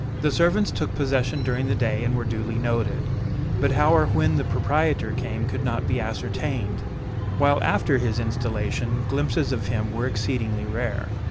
The servants took possession during the day and were duly noted, but how or when the proprietor came could not be ascertained, while after his installation glimpses of him were exceedingly rare.